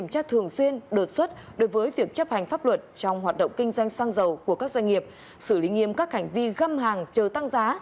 của các doanh nghiệp xử lý nghiêm các hành vi găm hàng chờ tăng giá